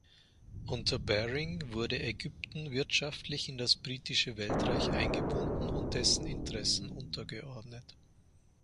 Unter Baring wurde Ägypten wirtschaftlich in das Britische Weltreich eingebunden und dessen Interessen untergeordnet.